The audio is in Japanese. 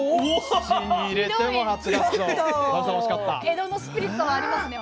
江戸のスピリットがありますね